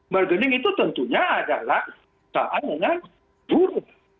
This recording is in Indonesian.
bargaining itu tentunya adalah saat yang buruk